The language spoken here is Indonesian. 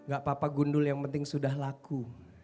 gak apa apa gundul yang penting sudah laku